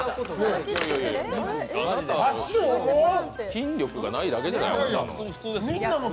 筋力がないだけじゃないの？